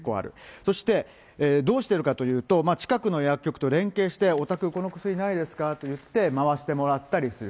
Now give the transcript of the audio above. そしてどうしてるかというと、近くの薬局と連携して、おたく、この薬ないですかといって、回してもらったりする。